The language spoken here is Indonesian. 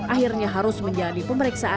akhirnya harus menjadikan penyelamat